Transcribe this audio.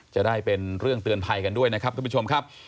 จะได้เป็นเรื่องเตือนภัยกันด้วยนะครับทุกผู้ชมครับ